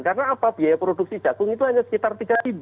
karena apa biaya produksi jagung itu hanya sekitar tiga